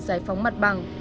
giải phóng mặt bằng